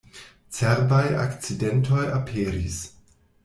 Cerbaj akcidentoj aperis.